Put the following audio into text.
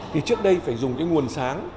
thì trước đây phải dùng cái nguồn sáng